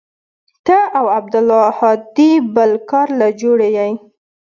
ته او عبدالهادي بل کار له جوړ يې.